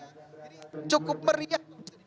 jadi cukup meriah bisa dibilang